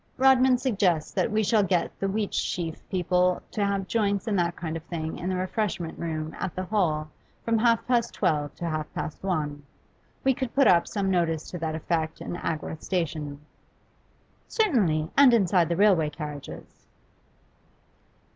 Rodman suggests that we shall get the "Wheatsheaf" people to have joints and that kind of thing in the refreshment room at the Hall from half past twelve to half past one. We could put up some notice to that effect in Agworth station.' 'Certainly, and inside the railway carriages.